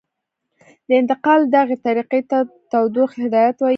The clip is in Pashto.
د انتقال دغې طریقې ته تودوخې هدایت وايي.